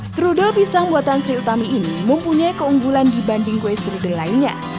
strudel pisang buatan sri utami ini mempunyai keunggulan dibanding kue strudel lainnya